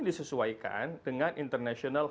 disesuaikan dengan international